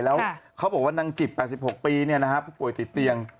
แล้วเขาบอกว่านางจิบ๘๖ปีเนี่ยนะครับปลูกป่วยติดเตียง